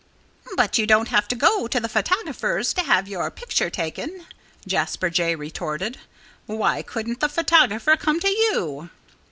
"But you don't have to go to the photographer's to have your picture taken," Jasper Jay retorted. "Why couldn't the photographer come to you?"